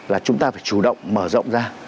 là chúng ta phải chủ động mở rộng ra